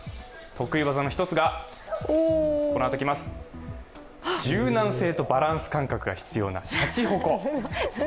得意技の一つが、柔軟性とバランス感覚が必要なシャチホコ。